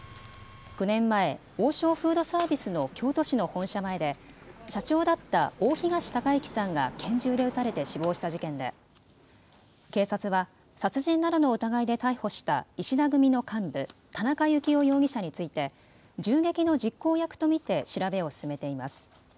９年前、王将フードサービスの京都市の本社前で社長だった大東隆行さんが拳銃で撃たれて死亡した事件で警察は殺人などの疑いで逮捕した石田組の幹部、田中幸雄容疑者について銃撃の実行役と見て調べを進めています。